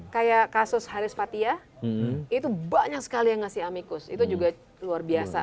kayak kasus haris fathia itu banyak sekali yang ngasih amicus itu juga luar biasa